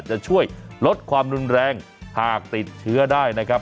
จะช่วยลดความรุนแรงหากติดเชื้อได้นะครับ